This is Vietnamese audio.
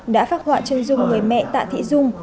đã phát họa chân dung người mẹ tạ thị dung